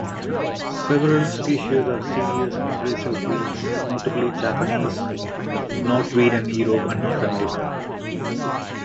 Several species are serious invasive weeds, notably Japanese knotweed in Europe and North America.